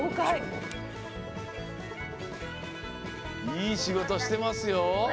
いいしごとしてますよ。